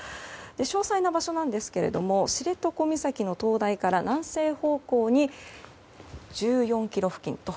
詳細な場所ですが知床岬の灯台から南西方向に１４ｋｍ付近と。